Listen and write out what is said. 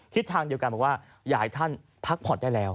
ทางเดียวกันบอกว่าอยากให้ท่านพักผ่อนได้แล้ว